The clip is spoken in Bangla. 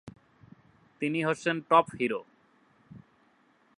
তিনি হচ্ছেন টপ হিরো।